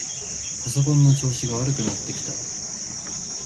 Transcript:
パソコンの調子が悪くなってきた。